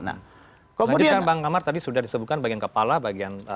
nah lanjutkan bang kamar tadi sudah disebutkan bagian kepala bagian